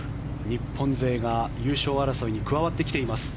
日本勢が優勝争いに加わってきています。